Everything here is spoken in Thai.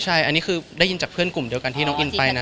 ใช่อันนี้คือได้ยินจากเพื่อนกลุ่มเดียวกันที่น้องอินไปนะ